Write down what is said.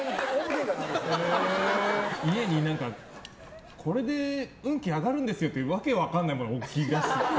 家に、これで運気上がるんですっていう訳分かんないもの置き出すっぽい。